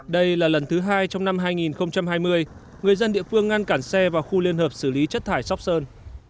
đây là lần thứ hai trong năm hai nghìn hai mươi người dân địa phương ngăn cản xe vào khu liên hợp xử lý chất thải sóc sơn